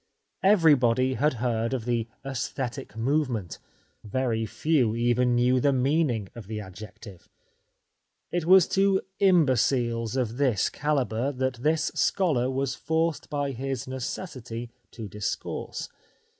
Everybody had heard of " the aesthetic movement," very few even knew the meaning of the adjective. It was to imbeciles of this calibre that this scholar was forced by his necessity to discourse.